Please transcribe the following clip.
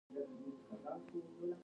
احمد له دې کاره د اوښ غوو جوړ کړل.